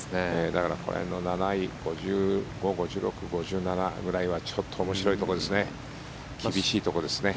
だからこの辺の７位５５、５６、５７というのはちょっと面白いところですね。